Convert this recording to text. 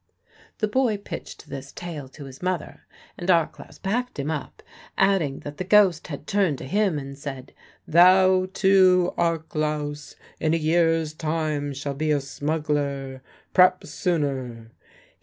The boy pitched this tale to his mother, and Arch'laus backed him up, adding that the ghost had turned to him and said, "Thou, too, Arch'laus in a year's time shall be a smuggler p'r'aps sooner."